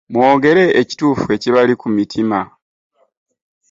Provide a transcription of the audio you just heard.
Mwogere ekituufu ekibali ku mutima.